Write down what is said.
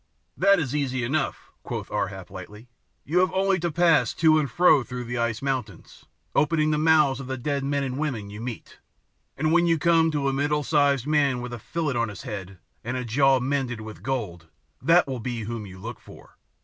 "That is easy enough," quoth Ar hap lightly. "You have only to pass to and fro through the ice mountains, opening the mouths of the dead men and women you meet, and when you come to a middle sized man with a fillet on his head and a jaw mended with gold, that will be he whom you look for.